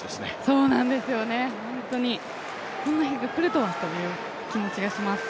そうなんですよね、こんな日が来るとはという気持ちがします。